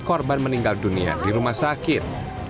korban meninggal dunia di rumah sakit